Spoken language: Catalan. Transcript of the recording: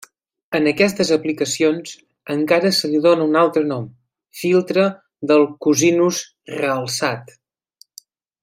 En aquestes aplicacions, encara se li dóna un altre nom: filtre del cosinus realçat.